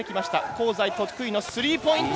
香西、得意のスリーポイント。